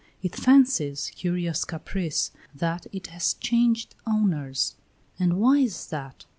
It fancies curious caprice! that it has changed owners." "And why is that?"